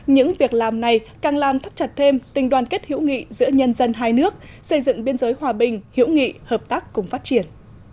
những việc làm này càng làm thắt chặt thêm tình đoàn kết hữu nghị giữa nhân dân hai nước xây dựng biên giới hòa bình hữu nghị hợp tác cùng phát triển